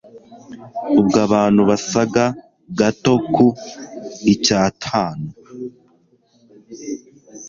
ubwo abantu basaga gato ku icyatanu